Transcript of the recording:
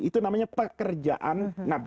itu namanya pekerjaan nabi